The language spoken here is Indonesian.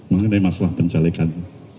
mengenai masalah pencalekan